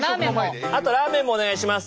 あとラーメンもお願いします。